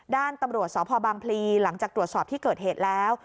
ด้านตำรวจสพบางพลีหลังจากตรวจสอบที่เกิดเหตุแล้ว